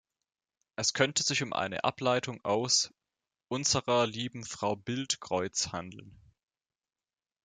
Es könnte sich um eine Ableitung aus „Unserer lieben Frau Bild-Kreuz“ handeln.